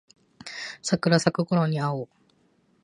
桜咲くころに会おう